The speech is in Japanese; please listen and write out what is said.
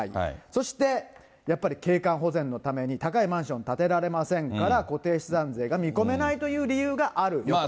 そして、やっぱり景観保全のために高いマンション建てられませんから、固定資産税が見込めないという理由があると。